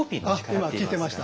あ今聞いてました。